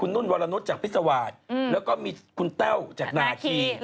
นุ่นวรนุษย์จากพิษวาสแล้วก็มีคุณแต้วจากนาคี